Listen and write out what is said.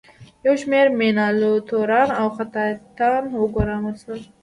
یو شمیر میناتوران او خطاطان وګومارل شول.